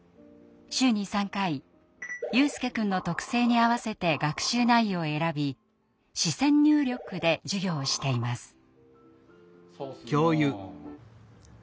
週に３回悠翼くんの特性に合わせて学習内容を選び視線入力で授業をしています。